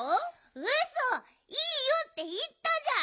うそ「いいよ」っていったじゃん！